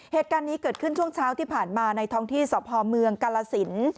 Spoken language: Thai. เหตุการณ์นี้เกิดขึ้นช่วงเช้าที่ผ่านมาในท้องที่สพเมืองกาลสิน